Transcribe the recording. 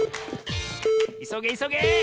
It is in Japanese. いそげいそげ！